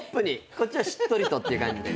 こっちはしっとりとって感じで。